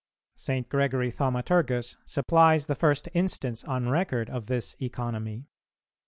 St. Gregory Thaumaturgus supplies the first instance on record of this economy.